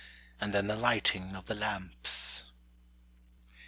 And then the lighting of the lamps.